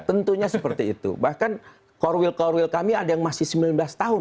tentunya seperti itu bahkan core will core will kami ada yang masih sembilan belas tahun